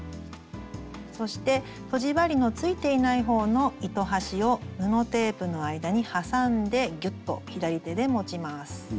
そしてとじ針のついていない方の糸端を布テープの間に挟んでギュッと左手で持ちます。